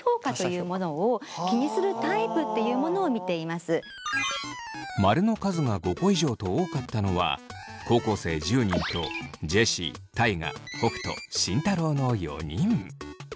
つまり○の数が５個以上と多かったのは高校生１０人とジェシー大我北斗慎太郎の４人。